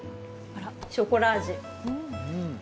ショコラ味。